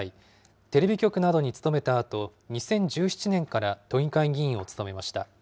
テレビ局などに勤めたあと、２０１７年から都議会議員を務めました。